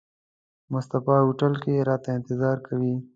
مصطفی هوټل کې راته انتظار کوي.